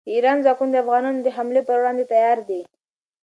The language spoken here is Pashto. د ایران ځواکونه د افغانانو د حملې پر وړاندې تیار دي.